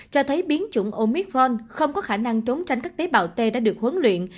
cho thấy biến chủng omitron không có khả năng trốn tránh các tế bào t đã được huấn luyện